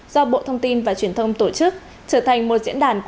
do bộ thông tin và truyền thông tổ chức trở thành một diễn đàn